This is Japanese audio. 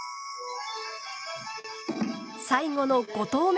最後の５投目。